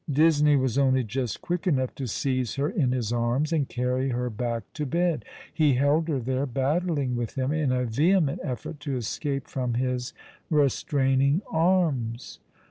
Disney was only just quick enough to seize her in his arms, and carry her back to bed. He held her there, battling with him in a vehement effort to escape from his restraining arms.